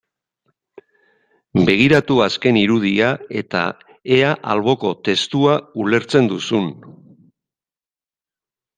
Begiratu azken irudia eta ea alboko testua ulertzen duzun.